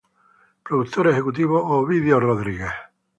Productor Ejecutivo: "Ovidio Rodríguez".